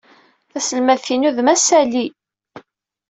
Taselmadt-inu d Massa Li.